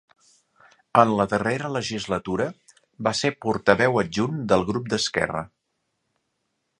En la darrera legislatura va ser portaveu adjunt del grup d'Esquerra.